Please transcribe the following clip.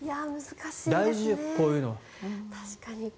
大事よ、こういうのは。